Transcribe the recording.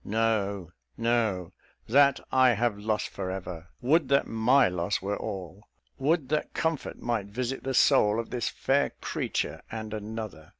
no, no that I have lost for ever. Would that my loss were all! would that comfort might visit the soul of this fair creature and another.